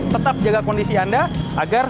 tetap jaga kondisi anda agar